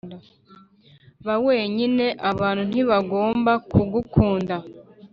ba wenyine. abantu ntibagomba kugukunda,